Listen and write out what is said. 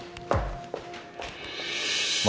maaf bapak purnomo